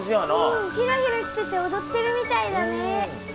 うんヒラヒラしてておどってるみたいだね。